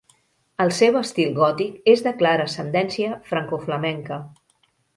El seu estil gòtic és de clara ascendència francoflamenca.